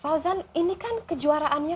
fauzan ini kan kejuaraannya